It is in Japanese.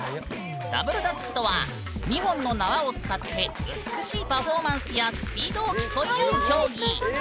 ダブルダッチとは２本の縄を使って美しいパフォーマンスやスピードを競い合う競技。